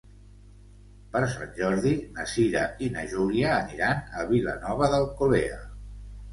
Per Sant Jordi na Cira i na Júlia aniran a Vilanova d'Alcolea.